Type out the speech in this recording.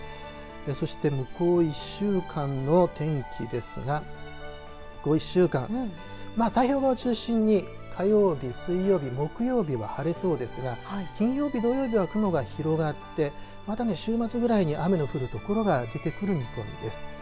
そして向こう１週間の天気ですが向こう１週間太平洋側を中心に火曜日、水曜日、木曜日は晴れそうですが金曜日、土曜日は雲が広がってまた週末ぐらいに雨の降るところが出てくる見込みです。